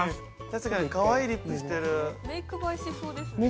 確かにかわいいリップしてるメイク映えしそうですね・